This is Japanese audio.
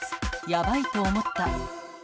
やばいと思った。